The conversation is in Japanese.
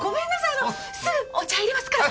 あのすぐお茶いれますから。